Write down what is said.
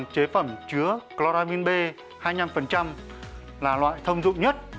chế phẩm chứa chloramin b hai mươi năm là loại thông dụng nhất